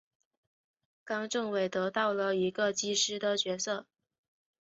冈政伟得到了一个机师的角色。